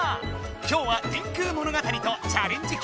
今日は「電空物語」とチャレンジき